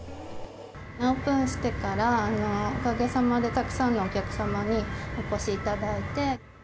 オープンしてから、おかげさまでたくさんのお客様にお越しいただいて。